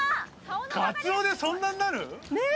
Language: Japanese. カツオでそんなんなる？ねぇ？